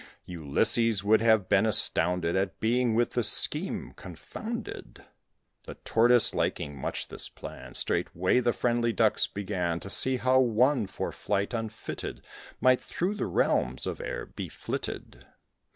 (Ulysses would have been astounded At being with this scheme confounded.) The Tortoise liking much this plan, Straightway the friendly Ducks began To see how one for flight unfitted Might through the realms of air be flitted.